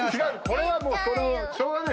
これはもうしょうがない。